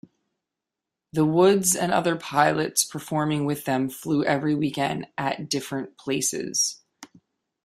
The Woods and other pilots performing with them flew every weekend at different places.